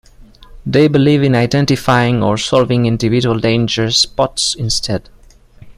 They believe in identifying or solving individual danger spots instead.